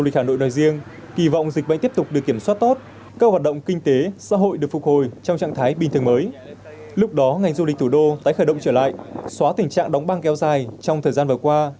lúc đó ngành du lịch thủ đô tái khởi động trở lại xóa tình trạng đóng băng kéo dài trong thời gian vừa qua